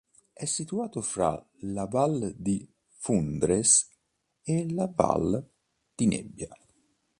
È situato fra la val di Fundres e la val di Nebbia.